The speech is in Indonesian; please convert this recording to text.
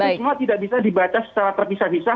itu semua tidak bisa dibaca secara terpisah pisah